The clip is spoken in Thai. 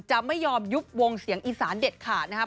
จะไม่ยอมยุบวงเสียงอีสานเด็ดขาดนะครับ